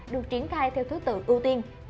được triển khai theo thứ tự ưu tiên